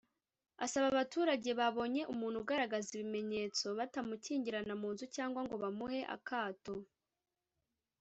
asaba abaturage babonye umuntu ugaragaza ibimenyetso batamukingirana mu nzu cyangwa ngo bamuhe akato